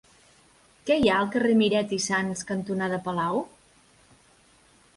Què hi ha al carrer Miret i Sans cantonada Palau?